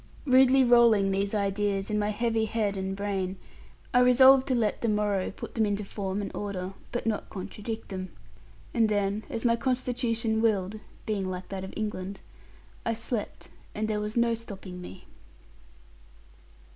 Rudely rolling these ideas in my heavy head and brain I resolved to let the morrow put them into form and order, but not contradict them. And then, as my constitution willed (being like that of England), I slept, and there was no stopping me.